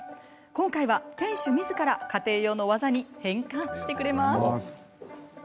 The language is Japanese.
今回は、店主みずから家庭用の技に変換してくれます。